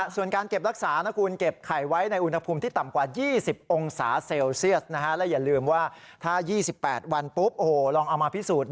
ส่วนการเก็บรักษานะคุณเก็บไข่ไว้ในอุณหภูมิที่ต่ำกว่า๒๐องศาเซลเซียส